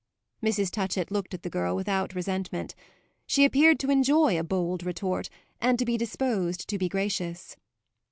Mrs. Touchett looked at the girl without resentment; she appeared to enjoy a bold retort and to be disposed to be gracious.